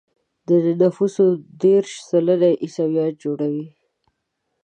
د نفوسو دېرش سلنه يې عیسویان جوړوي.